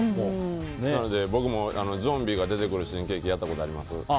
なので、僕もゾンビが出てくる新喜劇やったことあります。